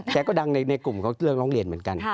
แกก็ดังในกลุ่มเขาเรื่องร้องเรียนเหมือนกัน